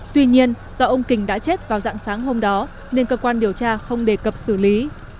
tuy nhiên do ông kình đã chết vào dạng sáng hôm đó nên cơ quan điều tra không đề cập xử lý